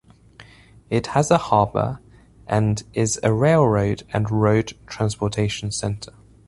It has a harbour and is a railroad and road transportation center.